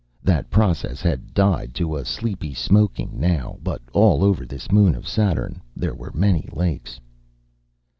That process had died to a sleepy smoking, now; but all over this moon of Saturn there were many lakes.